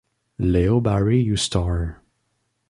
Leo Barry you star.